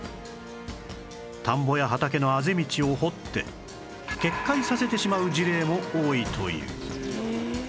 田んぼや畑のあぜ道を掘って決壊させてしまう事例も多いという